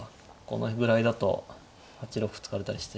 このぐらいだと８六歩突かれたりして。